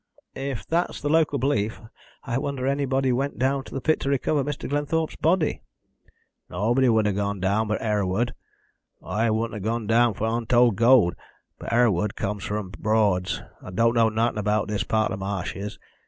"If that's the local belief, I wonder anybody went down into the pit to recover Mr. Glenthorpe's body." "Nobody wouldn't 'a' gone down but Herward. I wouldn't 'a' gone down for untowd gowd, but Herward comes from th' Broads, and don't know nartin' about this part of the ma'shes.